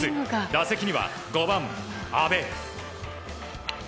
打席には５番、阿部。